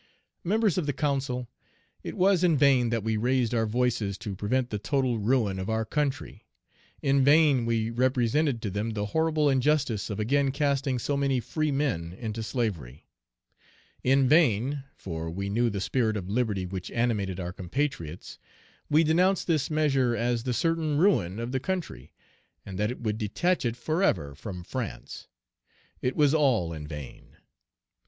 "Members of the council, it was in vain that we raised our voices to prevent the total ruin of our country; in vain we represented to them the horrible injustice of again casting so many free men into slavery; in vain (for we knew the spirit of liberty which animated our compatriots) we denounced this measure as the certain ruin of the country, and that it would detach it forever from France: it was all in vain.